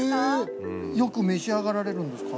よく召し上がられるんですか？